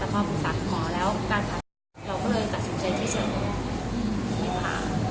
แต่พอเป็นสัตว์หมอแล้วการพัดภัยเราก็เลยกัดสุขใจที่จะมีพลาด